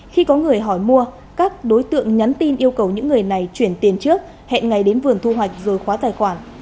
khi có người hỏi mua các đối tượng nhắn tin yêu cầu những người này chuyển tiền trước hẹn ngày đến vườn thu hoạch rồi khóa tài khoản